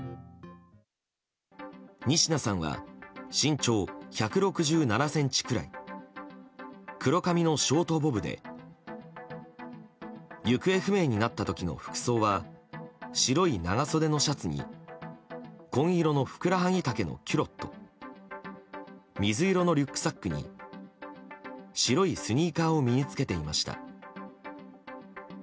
仁科さんは身長１６７ｃｍくらい黒髪のショートボブで行方不明になった時の服装は白い長袖のシャツに紺色のふくらはぎ丈のキュロット水色のリュックサックに白いスニーカーを身に着けていました。